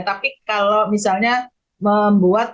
tapi kalau misalnya membuat